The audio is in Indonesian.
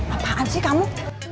apaan sih kamu